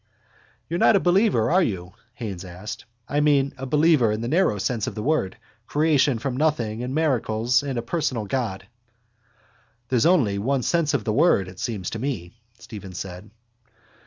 —You're not a believer, are you? Haines asked. I mean, a believer in the narrow sense of the word. Creation from nothing and miracles and a personal God. —There's only one sense of the word, it seems to me, Stephen said.